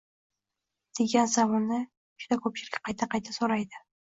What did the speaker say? Degan savolni juda ko’pchilik qayta-qayta so’raydi